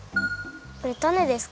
これタネですか？